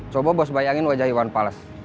coba bos bayangin wajah iwan fales